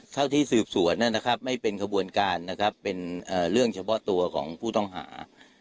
เท่าที่สืบสวนไม่เป็นขบวนการเป็นเรื่องเฉพาะตัวของผู้ต้องหา